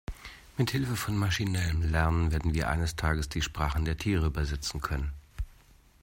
Mithilfe von maschinellem Lernen werden wir eines Tages die Sprachen der Tiere übersetzen können.